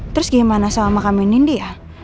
terus gimana sama makam indah